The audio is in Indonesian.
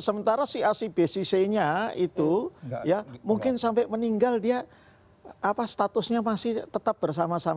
sementara si a si b si c nya itu ya mungkin sampai meninggal dia statusnya masih tetap bersama sama